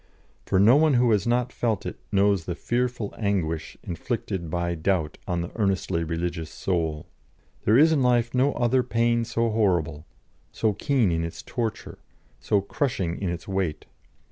For no one who has not felt it knows the fearful anguish inflicted by doubt on the earnestly religious soul. There is in life no other pain so horrible, so keen in its torture, so crushing in its weight.